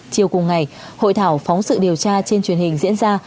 chiều cùng ngày hội thảo phóng sự điều tra trên truyền hình diễn ra